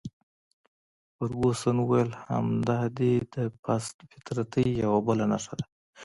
فرګوسن وویل: همدا دي د پست فطرتۍ یوه بله نښه ده.